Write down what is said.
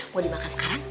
mau dimakan sekarang